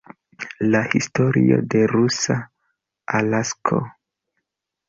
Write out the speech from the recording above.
La historio de rusa Alasko.